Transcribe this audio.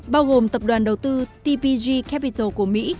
bao gồm tập đoàn đầu tư tpg capital của mỹ